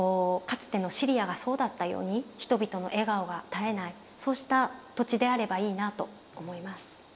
かつてのシリアがそうだったように人々の笑顔が絶えないそうした土地であればいいなと思います。